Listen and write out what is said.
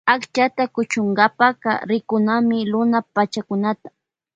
Akchata kuchunka rikunami luna pachakunata.